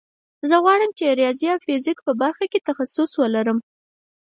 زه غواړم چې د ریاضي او فزیک په برخه کې تخصص ولرم